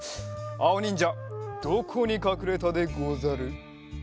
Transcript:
あおにんじゃどこにかくれたでござる？